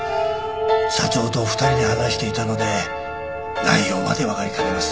社長と２人で話していたので内容まではわかりかねます。